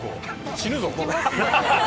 死ぬぞこれ。